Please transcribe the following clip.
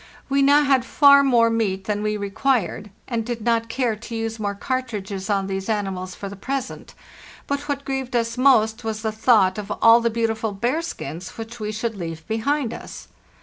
We now had far more meat than we required, and did not care to use more cartridges on these animals for the present; but what grieved us most was the thought of all the beautiful bearskins which we should leave behind us.